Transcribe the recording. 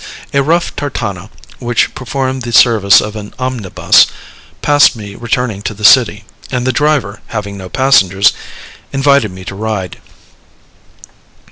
A rough tartana, which performed the service of an omnibus, passed me returning to the city, and the driver, having no passengers, invited me to ride.